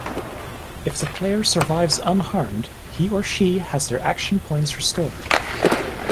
If the player survives unharmed, he or she has their action points restored.